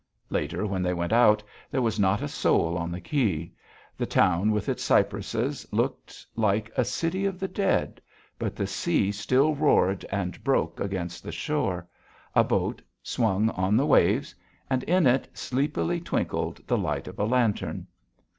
Later, when they went out, there was not a soul on the quay; the town with its cypresses looked like a city of the dead, but the sea still roared and broke against the shore; a boat swung on the waves; and in it sleepily twinkled the light of a lantern.